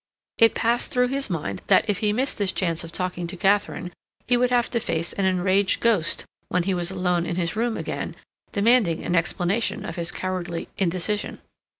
It passed through his mind that if he missed this chance of talking to Katharine, he would have to face an enraged ghost, when he was alone in his room again, demanding an explanation of his cowardly indecision.